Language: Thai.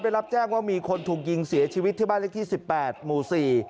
ได้รับแจ้งว่ามีคนถูกยิงเสียชีวิตที่บ้านเล็กที่สิบแปดหมู่สี่